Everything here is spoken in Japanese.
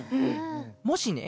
もしね